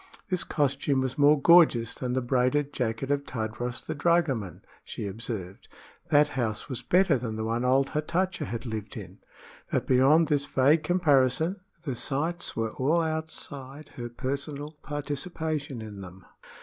This costume was more gorgeous than the braided jacket of Tadros the dragoman, she observed; that house was better than the one old Hatatcha had lived in. But beyond this vague comparison, the sights were all outside her personal participation in them.